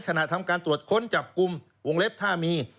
ทำการตรวจค้นจับกลุ่มวงเล็บท่ามี